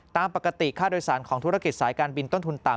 ตามปกติค่าโดยสารของธุรกิจสายการบินต้นทุนต่ำ